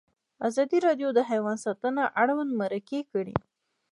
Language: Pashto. ازادي راډیو د حیوان ساتنه اړوند مرکې کړي.